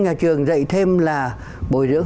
nhà trường dạy thêm là bồi dưỡng